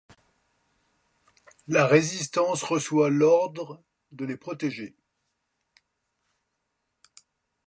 La résistance reçoit l'ordre de les protéger.